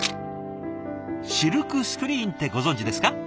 シルクスクリーンってご存じですか？